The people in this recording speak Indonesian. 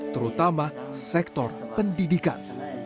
terutama sektor pendidikan